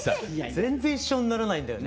全然一緒にならないんだよね。